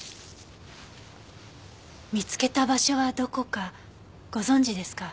見つけた場所はどこかご存じですか？